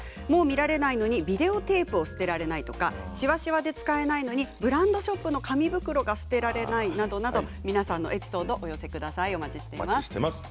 もう見られないのにビデオテープを捨てられないとかしわしわで使えないのにブランドショップの紙袋が捨てられないなどなど皆さんのエピソードをお寄せください。